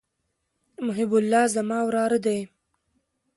محب الله زما وراره دئ.